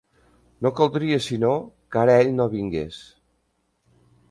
No caldria sinó que ara ell no vingués.